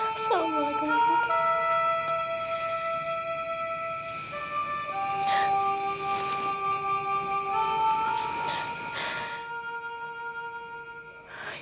assalamualaikum warahmatullahi wabarakatuh